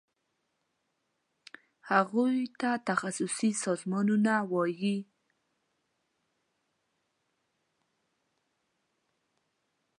هغوی ته تخصصي سازمانونه وایي.